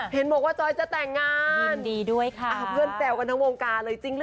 เห็นบอกว่าจอยจะแต่งงาน